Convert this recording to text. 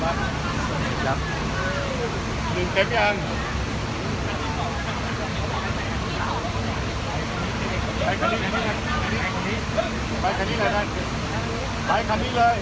ไปคันนี้นะไปคันนี้เลย